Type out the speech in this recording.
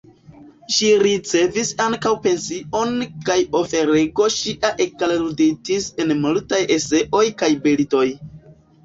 Ŝi ricevis ankaŭ pension kaj oferego ŝia ekalluditis en multaj eseoj kaj bildoj.